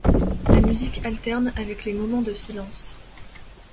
La musique alterne avec les moments de silence.